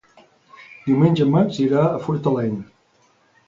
Diumenge en Max irà a Fortaleny.